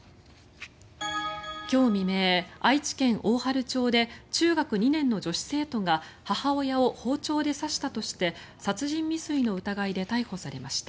今日未明、愛知県大治町で中学２年の女子生徒が母親を包丁で刺したとして殺人未遂の疑いで逮捕されました。